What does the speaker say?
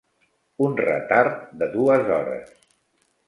Un retard de dues hores.